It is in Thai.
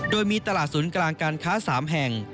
โดยมีตลาดศูนย์กลางการค้า๓แห่ง